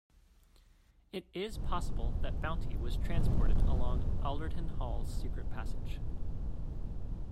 It is possible that bounty was transported along Alderton Hall's secret passage.